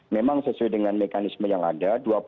memang sesuai dengan mekanisme yang ada